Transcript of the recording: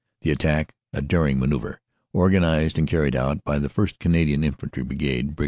The attack, a daring manoeuvre organized and carried out by the 1st. Cana dian Infantry Brigade (Brig.